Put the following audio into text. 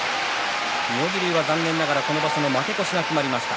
妙義龍は残念ながらこの場所の負け越しが決まりました。